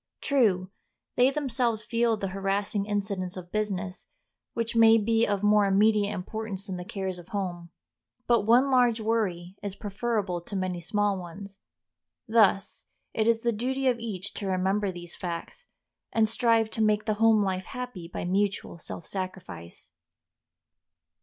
True, they themselves feel the harassing incidents of business, which may be of more immediate importance than the cares of home. But one large worry is preferable to many small ones. Thus it is the duty of each to remember these facts, and strive to make the home life happy by mutual self sacrifice.